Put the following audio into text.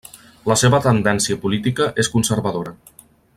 La seva tendència política és conservadora.